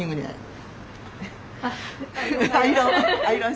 はい。